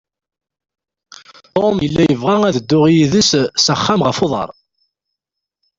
Tom yella yebɣa ad dduɣ yid-s s axxam ɣef uḍar.